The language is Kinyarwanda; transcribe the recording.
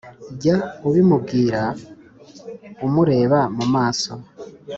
jya ubimubwira umureba mu maso